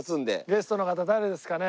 ゲストの方誰ですかね？